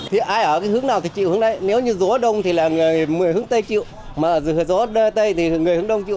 thì ai ở cái hướng nào thì chịu hướng đấy nếu như gió đông thì người hướng tây chịu mà gió đông thì người hướng đông chịu